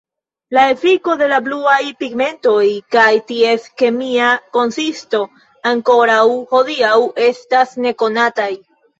La efiko de la bluaj pigmentoj kaj ties kemia konsisto ankoraŭ hodiaŭ estas nekonataj.